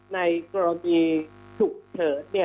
ในกรณีถูกเฉิด